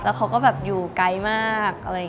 แล้วเขาก็อยู่ไกลมาก